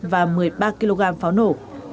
và một mươi ba kg pháo nổ